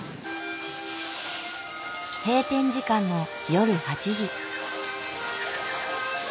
閉店時間の夜８時。